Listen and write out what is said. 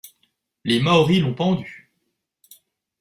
Les Maoris l’ont pendu.